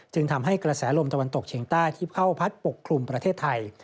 ทำให้กระแสลมตะวันตกเฉียงใต้ที่เข้าพัดปกคลุมประเทศไทย